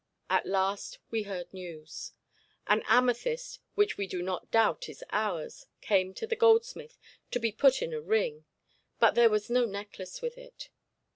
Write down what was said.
At last we heard news. An amethyst which we do not doubt is ours came to the goldsmith to be put in a ring; but there was no necklace with it.